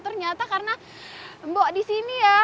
ternyata karena mbok di sini ya